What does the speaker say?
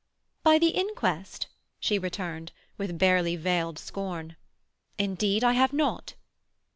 "By the inquest?" she returned, with barely veiled scorn. "Indeed I have not."